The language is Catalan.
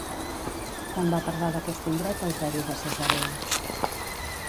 Quan va parlar d'aquest indret Eusebi de Cesarea?